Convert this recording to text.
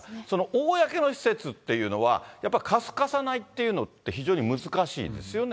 公の施設っていうのは、やっぱり貸す貸さないっていうのは非常に難しいですよね。